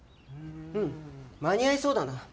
うん間に合いそうだな。